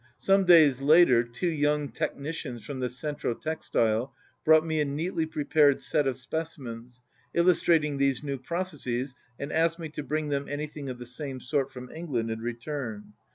(Some days later two young technicians from the Centro Textile brought me a neatly prepared set of specimens illustrating these new processes and asked me to bring them anything of the same sort from England in return.